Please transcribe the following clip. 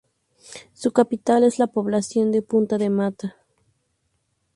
Su capital es la población de Punta de Mata.